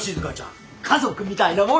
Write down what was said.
家族みたいなもんだから。